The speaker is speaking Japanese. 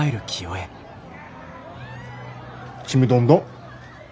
「ちむどんどん」。